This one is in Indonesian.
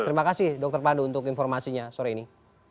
terima kasih dokter padu untuk informasinya sore ini